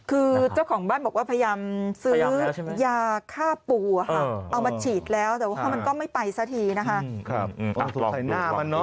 คือเจ้าของบ้านบอกว่าพยายามซื้อยาฆ่าปูเอามาฉีดแล้วแต่ว่ามันก็ไม่ไปสักทีนะคะ